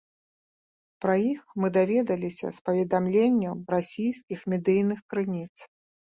Пра іх мы даведаліся з паведамленняў расійскіх медыйных крыніц.